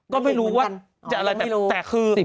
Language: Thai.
ก็ไม่รู้ว่าจะอะไรแบบแต่คือ